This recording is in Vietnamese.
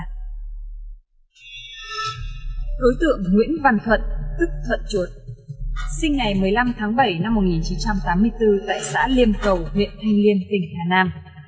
đối tượng nguyễn văn thuận tức thuận chuột sinh ngày một mươi năm tháng bảy năm một nghìn chín trăm tám mươi bốn tại xã liêm cầu huyện thanh liêm tỉnh hà nam